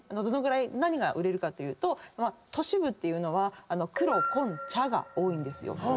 どのぐらい何が売れるかっていうと都市部っていうのは黒・紺・茶が多いんですよ。